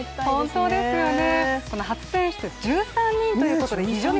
本当ですよね。